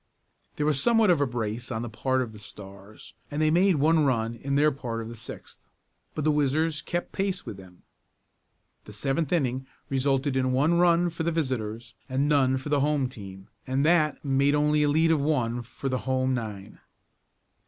There was somewhat of a brace on the part of the Stars and they made one run in their part of the sixth. But the Whizzers kept pace with them. The seventh inning resulted in one run for the visitors and none for the home team and that made only a lead of one for the home nine.